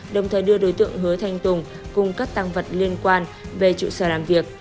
đồng thời đưa đối tượng hứa thanh tùng cùng các tăng vật liên quan về trụ sở làm việc